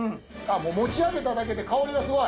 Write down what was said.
もう持ち上げただけで香りがすごい！